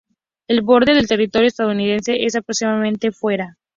El borde del territorio estadounidense es de aproximadamente fuera.